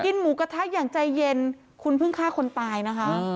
หมูกระทะอย่างใจเย็นคุณเพิ่งฆ่าคนตายนะคะ